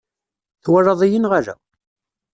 Twalaḍ-iyi neɣ ala?